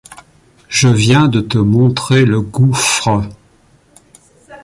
Je viens de te montrer le gouffre.